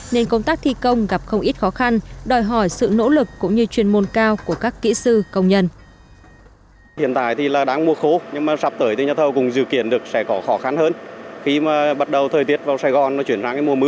nên công tác thi công gặp không ít khó khăn đòi hỏi sự nỗ lực cũng như chuyên môn cao của các kỹ sư công nhân